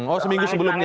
oh seminggu sebelumnya